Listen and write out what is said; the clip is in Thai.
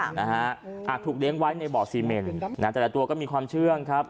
นะฮะอาจถูกเลี้ยงไว้ในบ่อซีเมนนะฮะแต่ละตัวก็มีความเชื่องครับ